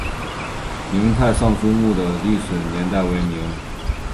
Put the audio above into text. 泰宁尚书墓的历史年代为明。